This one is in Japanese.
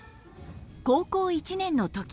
高校１年の時。